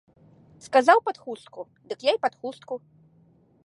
Сказаў пад хустку, дык я і пад хустку.